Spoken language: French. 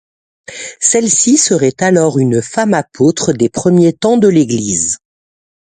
Celle-ci serait alors une femme apôtre des premiers temps de l’Église.